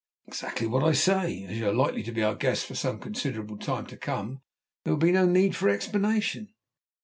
"Exactly what I say; as you are likely to be our guests for some considerable time to come, there will be no need for explanation."